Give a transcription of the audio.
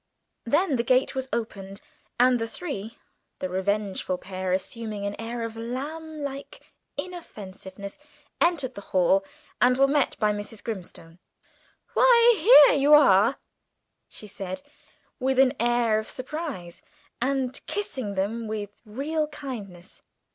Then the gate was opened, and the three the revengeful pair assuming an air of lamb like inoffensiveness entered the hall and were met by Mrs. Grimstone. "Why, here you are!" she said, with an air of surprise, and kissing them with real kindness.